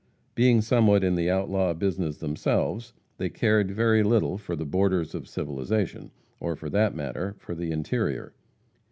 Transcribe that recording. Being somewhat in the outlaw business themselves, they cared very little for "the borders of civilization," or for that matter, for the interior.